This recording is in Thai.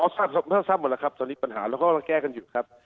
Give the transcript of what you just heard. ทราบหมดแล้วครับตอนนี้ปัญหาเราก็แก้กันอยู่ครับ